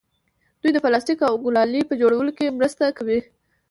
دوی د پلاستیک او ګلالي په جوړولو کې مرسته کوي.